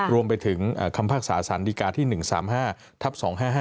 รวมไปถึงคำภาคศาสนดิกาที่๑๓๕ทับ๒๕๕๐